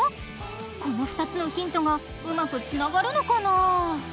この２つのヒントがうまくつながるのかなぁ？